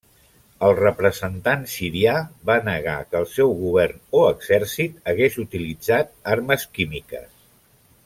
El representant sirià va negar que el seu govern o exèrcit hagués utilitzat armes químiques.